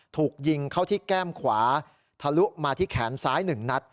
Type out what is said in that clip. ถูกยิงเข้าที่แก้มขวาทะลุมาที่แขนซ้าย๑นัด